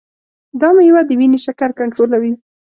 دا میوه د وینې شکر کنټرولوي.